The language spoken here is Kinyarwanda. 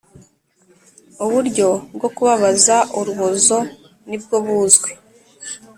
Uburyo bwo kubabaza urubozo ni bwo buzwi